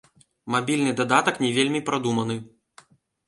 Мабільны дадатак не вельмі прадуманы.